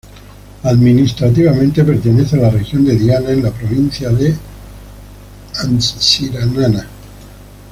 Administrativamente pertenece a la región de Diana, en la provincia de Antsiranana.